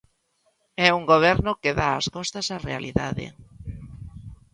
É un goberno que dá as costas á realidade.